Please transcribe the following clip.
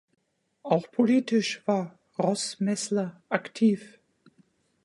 Auch politisch war Roßmäßler aktiv.